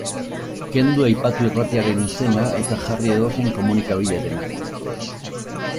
Kendu aipatu irratiaren izena eta jarri edozein komunikabiderena.